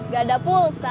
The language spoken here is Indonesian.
gak ada pulsa